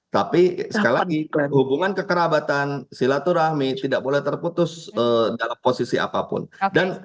tapi sekali lagi hubungan kekerabatan silaturahmi tidak boleh terputus dalam posisi apapun